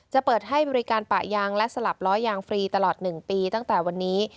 จะเปิดให้บริการปะยางและสลับล้อยางฟรีตลอด๑ปีตั้งแต่วันนี้